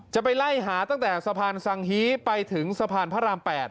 จะไปไล่หาตั้งแต่สะพานสังฮีไปถึงสะพานพระราม๘